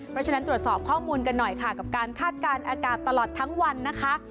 เพราะฉะนั้นตรวจสอบข้อมูลกันหน่อยค่ะกับการคาดการณ์อากาศตลอดทั้งวันนะคะ